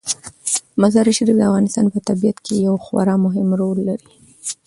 مزارشریف د افغانستان په طبیعت کې یو خورا مهم رول لري.